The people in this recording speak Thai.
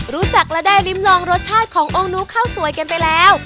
รู้จักและได้ริมลองรสชาติขององค์ูข้าวสวยกันไปแล้ว